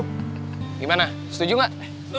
gimana setuju gak